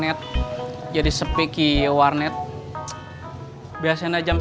bettan mengambil cara untuk mereka berpengaruh bersama mereka